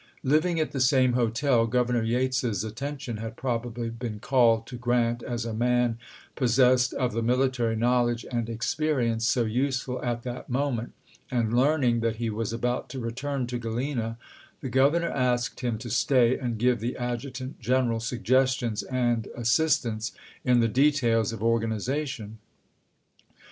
Living at the same hotel. Governor Yates's attention had probably been called to Grant as a man possessed of the military knowl edge and experience so useful at that moment, and, learning that he was about to return to Galena, the Governor asked him to stay and give the adjutant general suggestions and assistance in the details of organization.